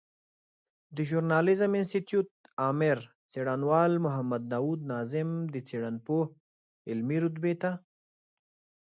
د ژورناليزم انستيتوت آمر څېړنوال محمد داود ناظم د څېړنپوه علمي رتبې ته